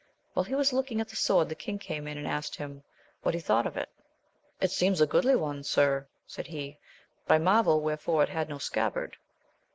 While he was looking at the sword, the king came in and asked him, what he thought of it. It seems a goodly one, sir, said he, but I marvail wherefore it hath no scabbard.